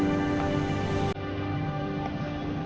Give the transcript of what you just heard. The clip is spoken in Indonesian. ketika andin mengambil racun